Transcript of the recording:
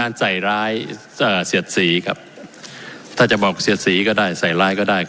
ใส่ร้ายเอ่อเสียดสีครับถ้าจะบอกเสียดสีก็ได้ใส่ร้ายก็ได้